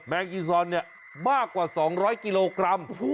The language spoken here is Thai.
งอีซอนเนี่ยมากกว่า๒๐๐กิโลกรัม